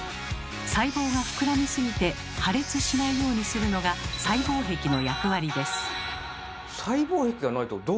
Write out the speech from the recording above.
細胞が膨らみすぎて破裂しないようにするのが細胞壁の役割です。